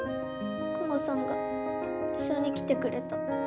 クマさんが一緒に来てくれた。